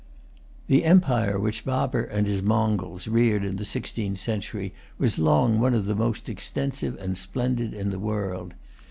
The empire which Baber and his Moguls reared in the sixteenth century was long one of the most extensive and splendid in the world.